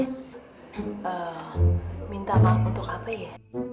saya minta maaf untuk apa ya